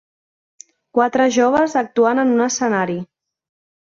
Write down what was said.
Quatre joves actuant en un escenari.